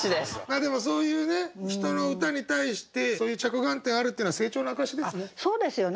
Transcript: でもそういうね人の歌に対してそういう着眼点あるっていうのは成長の証しですね。